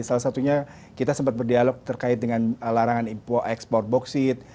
salah satunya kita sempat berdialog terkait dengan larangan ekspor boksit